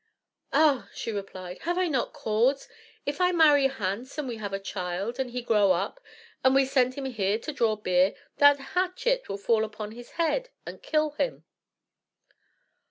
"Ah," she replied, "have I not cause? If I marry Hans, and we have a child, and he grow up, and we send him here to draw beer, that hatchet will fall upon his head and kill him."